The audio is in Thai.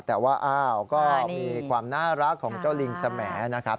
แต่ว่าอ้าวก็มีความน่ารักของเจ้าลิงสแหมดนะครับ